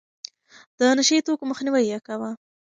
د نشه يي توکو مخنيوی يې کاوه.